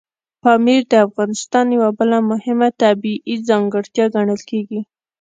پامیر د افغانستان یوه بله مهمه طبیعي ځانګړتیا ګڼل کېږي.